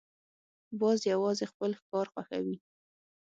باز یوازې خپل ښکار خوښوي